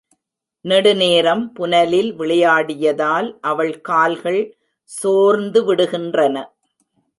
நெடுநேரம் புனலில் விளையாடியதால் அவள் கால்கள் சோர்ந்துவிடுகின்றன.